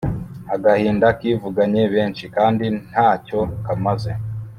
agahinda kivuganye benshi, kandi nta cyo kamaze.